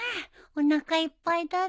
おなかいっぱいだね。